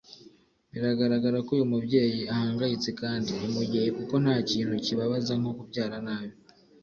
Biragaragara ko uyu mubyeyi ahangayitse kandi ni mu gihe kuko nta kintu kibabaza nko kubyara nabi